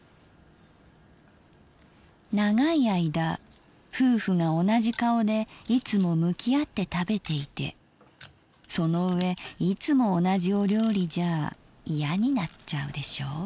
「長い間夫婦が同じ顔でいつも向き合って食べていてその上いつも同じお料理じゃ嫌になっちゃうでしょう。